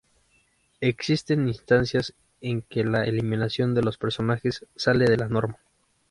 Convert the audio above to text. Existen instancias en que la eliminación de los personajes sale de la norma.